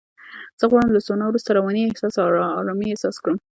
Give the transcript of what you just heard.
زه غواړم له سونا وروسته رواني آرامۍ احساس کړم.